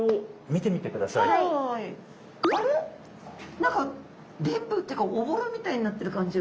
何かでんぶっていうかおぼろみたいになってる感じが。